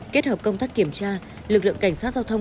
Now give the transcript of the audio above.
kết hợp công tác kiểm tra lực lượng cảnh sát giao thông